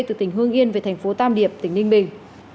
từ tỉnh hương yên về thành phố tam điệp tỉnh ninh bình